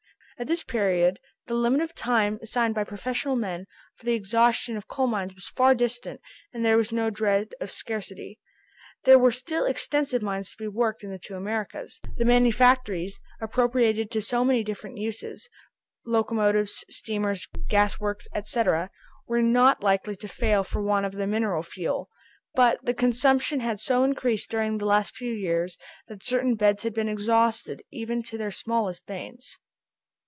At this period, the limit of time assigned by professional men for the exhaustion of coal mines was far distant and there was no dread of scarcity. There were still extensive mines to be worked in the two Americas. The manufactories, appropriated to so many different uses, locomotives, steamers, gas works, &c., were not likely to fail for want of the mineral fuel; but the consumption had so increased during the last few years, that certain beds had been exhausted even to their smallest veins.